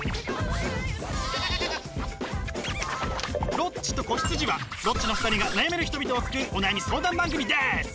「ロッチと子羊」はロッチの２人が悩める人々を救うお悩み相談番組です！